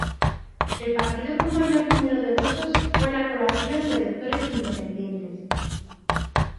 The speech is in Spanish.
El partido con mayor número de votos fue la colación de electores independientes.